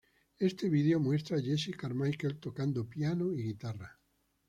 Éste video muestra a Jesse Carmichael tocando piano y guitarra.